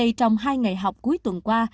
vì trong hai ngày học cuối tuần qua